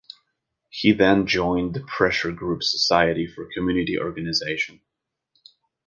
He then joined the pressure group Society for Community Organisation.